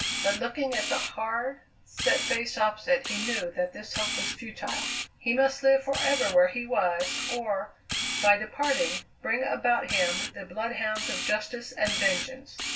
But looking at the hard, set face opposite he knew that this hope was futile: he must live forever where he was, or, by departing, bring about him the bloodhounds of justice and vengeance.